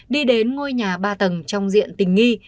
đi đến ngôi nhà ba tầng trong diện tình nghi